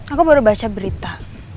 aku baru baca berita